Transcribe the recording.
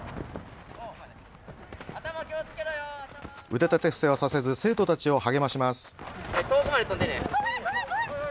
腕立て伏せはさせず生徒たちを励まします。